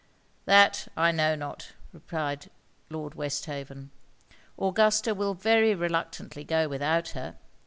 'That I know not,' replied Lord Westhaven. 'Augusta will very reluctantly go without her.